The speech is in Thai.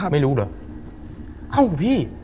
ไม่รู้เหรอเข้าของพี่